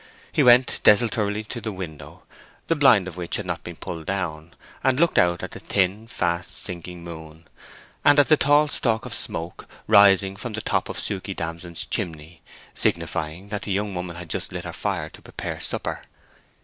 He went desultorily to the window, the blind of which had not been pulled down, and looked out at the thin, fast sinking moon, and at the tall stalk of smoke rising from the top of Suke Damson's chimney, signifying that the young woman had just lit her fire to prepare supper.